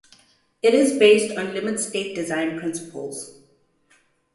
It is based on limit state design principles.